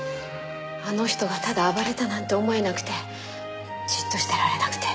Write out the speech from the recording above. あの人がただ暴れたなんて思えなくてじっとしていられなくて。